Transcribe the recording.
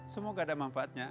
semoga ada manfaatnya